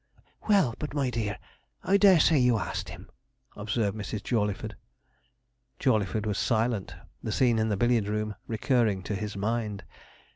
'Well, but, my dear, I dare say you asked him,' observed Mrs. Jawleyford. Jawleyford was silent, the scene in the billiard room recurring to his mind.